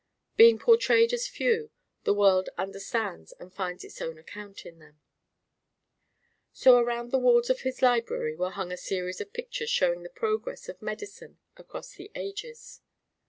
Being portrayed as few, the world understands and finds its own account in them. So around the walls of his library there hung a series of pictures showing the progress of Medicine across the ages.